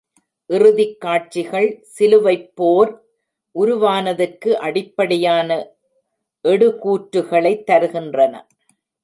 இறுதிக் காட்சிகள் "சிலுவைப்போர்" உருவானதற்கு அடிப்படையான எடுகூற்றுகளைத் தருகின்றன.